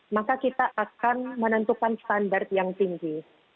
maka kita akan menentukan standar yang tinggi